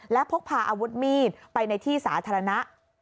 และพกพาอาวุธมีดไปในที่สาธารณะ